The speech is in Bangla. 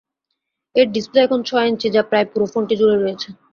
এর ডিসপ্লে এখন ছয় ইঞ্চি, যা প্রায় পুরো ফোনটি জুড়েই রয়েছে।